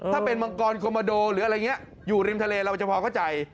ถ้าเป็นมังกรคอมโมโดหรืออะไรอย่างนี้อยู่ริมทะเลเราจะพอเข้าใจ